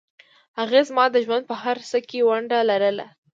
هغې زما د ژوند په هرڅه کې ونډه لرله